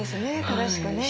正しくね。